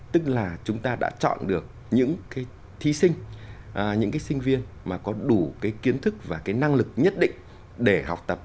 tức là chúng ta đã chọn được những cái thí sinh những cái sinh viên mà có đủ cái kiến thức và cái năng lực nhất định để học tập